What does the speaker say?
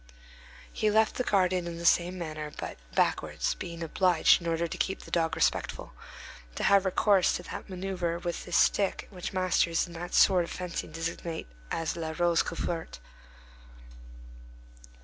He left the garden in the same manner, but backwards, being obliged, in order to keep the dog respectful, to have recourse to that manœuvre with his stick which masters in that sort of fencing designate as la rose couverte.